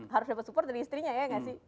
harus dapat support dari istrinya ya nggak sih